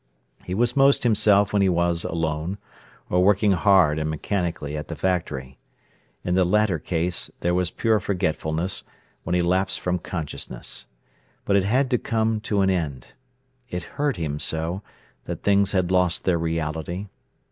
He was most himself when he was alone, or working hard and mechanically at the factory. In the latter case there was pure forgetfulness, when he lapsed from consciousness. But it had to come to an end. It hurt him so, that things had lost their reality.